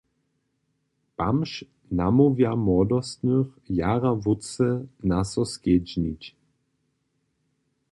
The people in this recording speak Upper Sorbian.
Bamž namołwja młodostnych, jara wótře na so skedźnić.